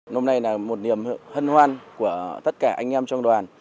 hôm nay là một niềm hân hoan của tất cả anh em trong đoàn